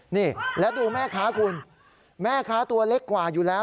นี่แล้วดูแม่ค้าคุณแม่ค้าตัวเล็กกว่าอยู่แล้ว